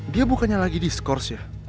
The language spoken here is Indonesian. dia bukannya lagi di skors ya